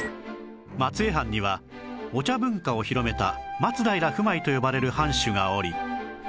松江藩にはお茶文化を広めた松平不昧と呼ばれる藩主がおり